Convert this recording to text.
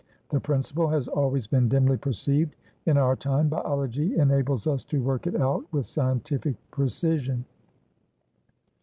The principle has always been dimly perceived. In our time, biology enables us to work it out with scientific precision."